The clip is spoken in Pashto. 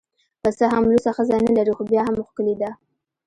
که څه هم لوڅه ښځه نلري خو بیا هم ښکلې ده